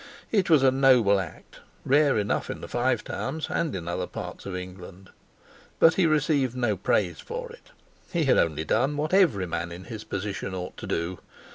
It was a noble act, rare enough in the Five Towns and in other parts of England. But he received no praise for it. He had only done what every man in his position ought to do.